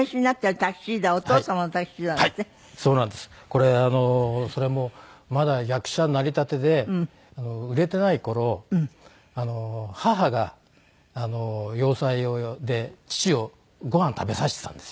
これそれもまだ役者になりたてで売れてない頃母が洋裁で父をご飯を食べさせてたんですよ。